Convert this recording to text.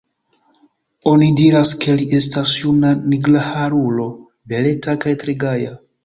Oni diras, ke li estas juna nigraharulo, beleta kaj tre gaja.